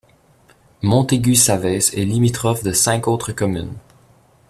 Montégut-Savès est limitrophe de cinq autres communes.